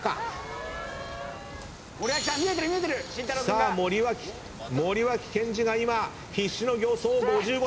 さあ森脇健児が今必死の形相５５歳。